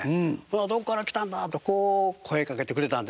「どっから来たんだ？」とこう声かけてくれたんですよ。